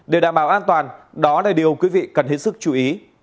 để đảm bảo an toàn đó là điều quý vị cần hết sức chú ý